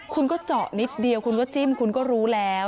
คุณก็เจาะนิดเดียวคุณก็จิ้มคุณก็รู้แล้ว